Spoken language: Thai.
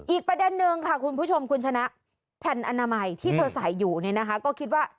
อีกประเด็นนึงค่ะคุณผู้ชมคุณชนะแผ่นอนามัยที่เธอใส่อยู่เนี่ยนะคะก็คิดว่า